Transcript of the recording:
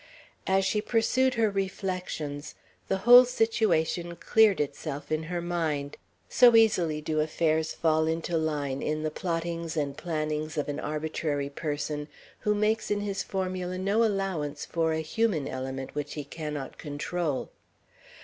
As she pursued her reflections, the whole situation cleared itself in her mind; so easily do affairs fall into line, in the plottings and plannings of an arbitrary person, who makes in his formula no allowance for a human element which he cannot control.